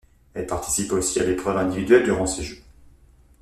Elle participe aussi à l'épreuve individuelle durant ces Jeux.